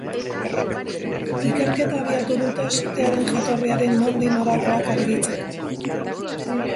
Ikerketa abiatu dute sutearen jatorriaren nondik norakoak argitzeko.